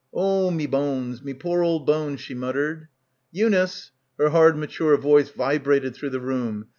"Oh me bones, me poor old bones," she muttered. "Eunice \" her hard mature voice vibrated through the room.